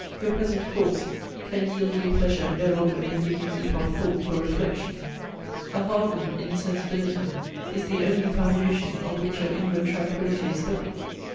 Your present course can yield you pleasure no longer than you can keep off thought or reflection. A hardened insensibility is the only foundation on which your inward tranquillity is built.